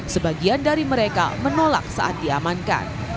sebagian dari mereka menolak saat diamankan